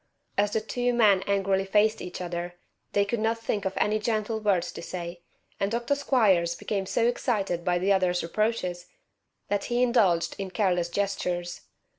As the two men angrily faced each other they could not think of any gentle words to say, and Dr. Squiers became so excited by the other's reproaches that he indulged in careless gestures.